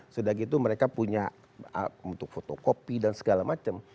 sudah gitu mereka punya untuk fotokopi dan segala macam